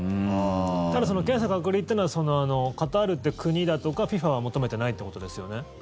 ただその検査・隔離というのはカタールという国だとかＦＩＦＡは求めてないってことですよね？